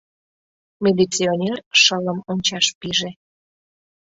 Милиционер шылым ончаш пиже.